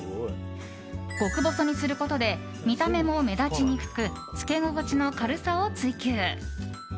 極細にすることで見た目も目立ちにくく着け心地の軽さを追求。